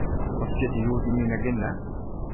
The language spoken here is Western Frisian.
Wat stiet der hjoed yn myn aginda?